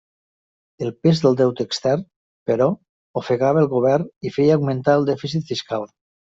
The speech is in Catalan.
El pes del deute extern, però, ofegava el govern i feia augmentar el dèficit fiscal.